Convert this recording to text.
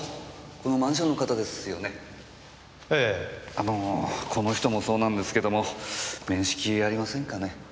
あのこの人もそうなんですけども面識ありませんかね？